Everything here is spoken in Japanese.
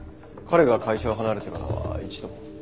彼が会社を離れてからは一度も。